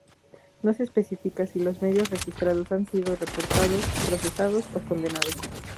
No se especifica si los medios registrados han sido reportados, procesados o condenados.